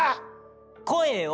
声を。